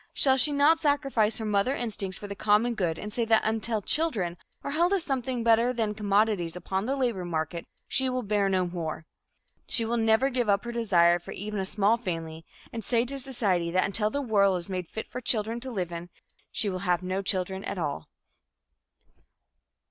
Shall she not sacrifice her mother instincts for the common good and say that until children are held as something better than commodities upon the labor market, she will bear no more? Shall she not give up her desire for even a small family, and say to society that until the world is made fit for children to live in, she will have no children at all?